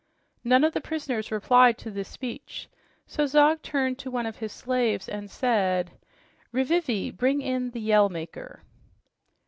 None of the prisoners replied to this speech, so Zog turned to one of his slaves and said, "Rivivi, bring in the Yell Maker."